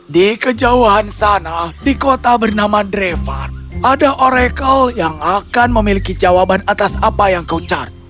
di kejauhan sana di kota bernama drevar ada oracle yang akan memiliki jawaban atas apa yang kau cari